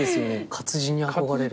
活字に憧れるって。